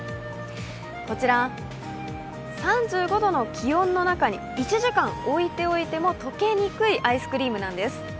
こちら、３５度の気温の中に１時間置いておいても溶けにくいアイスクリームなんです。